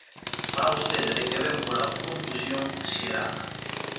Fala vostede de que vén pola confusión xerada.